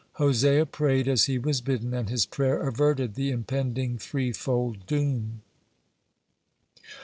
Hosea prayed as he was bidden, and his prayer averted the impending threefold doom.